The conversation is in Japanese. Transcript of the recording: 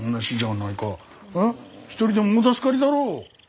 １人でも大助かりだろ。